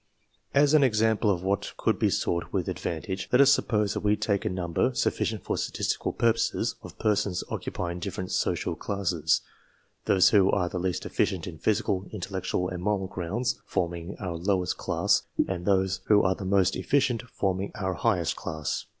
As an example of what could be sought with advantage, let us suppose that we take a number, sufficient for statistical purposes, of persons occupying different social classes, those who are the least efficient in physical, intel lectual, and moral grounds, forming our lowest class, and PREFATORY CHAPTER those who are the most efficient forming our highest class.